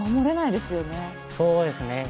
そうですね。